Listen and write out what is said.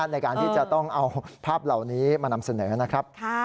ในการที่จะต้องเอาภาพเหล่านี้มานำเสนอนะครับ